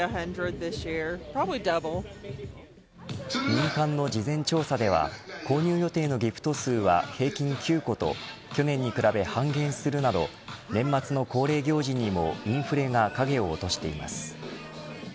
民間の事前調査では購入予定のギフト数は平均９個と去年に比べ半減するなど年末の恒例行事にもインフレが影を落としています。